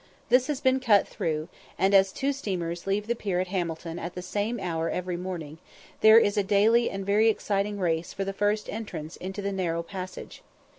This has been cut through, and, as two steamers leave the pier at Hamilton at the same hour every morning, there is a daily and very exciting race for the first entrance into the narrow passage.